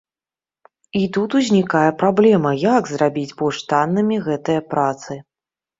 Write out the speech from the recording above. І тут ўзнікае праблема, як зрабіць больш таннымі гэтыя працы.